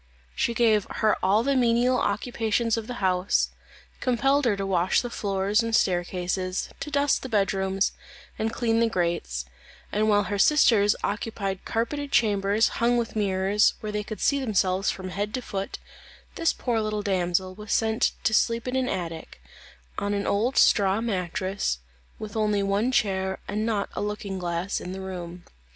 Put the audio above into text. She gave her all the menial occupations of the house; compelled her to wash the floors and staircases, to dust the bed rooms, and clean the grates; and while her sisters occupied carpeted chambers hung with mirrors, where they could see themselves from head to foot, this poor little damsel was sent to sleep in an attic, on an old straw mattress, with only one chair and not a looking glass in the room.